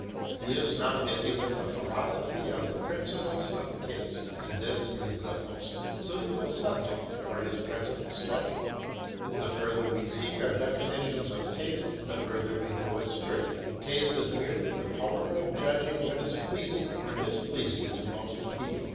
He is now busy with the philosophy of the principles of taste, and this is the most suitable subject for his present study. The further we seek our definitions of taste, the further we go astray; taste is merely the power of judging what is pleasing or displeasing to most people.